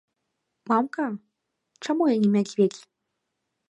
Мамка, чаму я не мядзведзь?